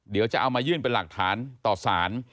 เดี๋ยวจะเอามายื่นเป็นหลักฐานต่อสาร